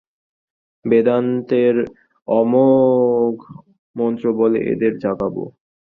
বেদান্তের অমোঘ মন্ত্রবলে এদের জাগাব।